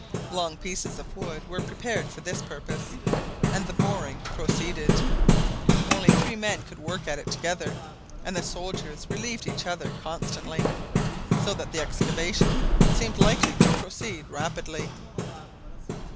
Long pieces of wood were prepared for this purpose, and the boring proceeded. Only three men could work at it together, and the soldiers relieved each other constantly, so that the excavation seemed likely to proceed rapidly.